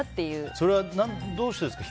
それはどうしてですか？